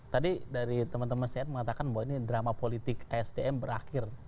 tadi dari teman teman sehat mengatakan bahwa ini drama politik sdm berakhir